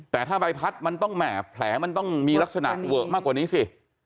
แต่ถ้าใบพัดมันต้องแห่แผลมันต้องมีลักษณะเวอะมากกว่านี้สิ